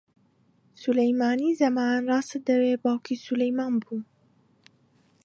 سولەیمانی زەمان، ڕاستت دەوێ، باوکی سولەیمان بوو